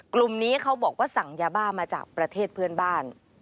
กลุ่มนี้เขาบอกว่าสั่งยาบ้ามาจากประเทศเพื่อนบ้าน